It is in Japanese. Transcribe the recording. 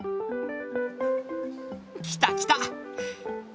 来た来た。